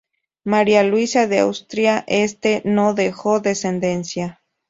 María Luisa de Austria-Este no dejó descendencia.